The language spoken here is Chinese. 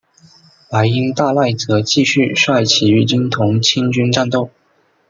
白音大赉则继续率起义军同清军战斗。